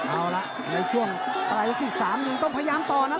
เอาละในช่วงปลายยกที่๓ยังต้องพยายามต่อนะ